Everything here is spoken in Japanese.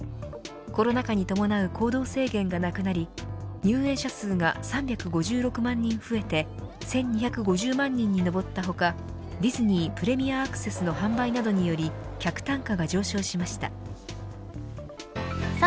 コロナ禍に伴う行動制限がなくなり入園者数が３５６万人増えて１２５０万人に上った他ディズニー・プレミアアクセスの販売などによりさあ